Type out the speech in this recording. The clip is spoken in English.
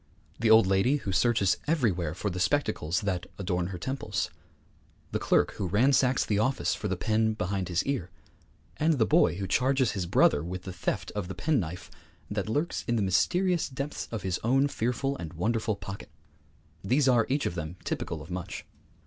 The old lady who searches everywhere for the spectacles that adorn her temples; the clerk who ransacks the office for the pen behind his ear; and the boy who charges his brother with the theft of the pen knife that lurks in the mysterious depths of his own fearful and wonderful pocket these are each of them typical of much.